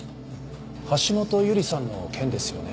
橋本優里さんの件ですよね？